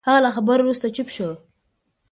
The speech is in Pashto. هغه له خبرو وروسته چوپ شو.